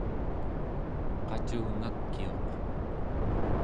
qacungakiuq